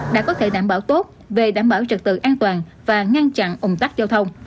đã có thể đảm bảo tốt về đảm bảo trật tự an toàn và ngăn chặn ủng tắc giao thông